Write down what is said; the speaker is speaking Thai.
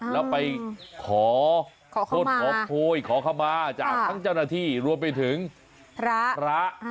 แล้วไปขอโทษขอโพยขอเข้ามาจากทั้งเจ้าหน้าที่รวมไปถึงพระพระ